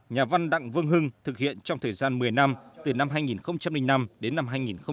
nhà văn đặng vương hưng thực hiện trong thời gian một mươi năm từ năm hai nghìn năm đến năm hai nghìn một mươi